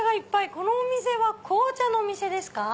このお店は紅茶のお店ですか？